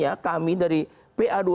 kita berhasilkan dari istimewa ulama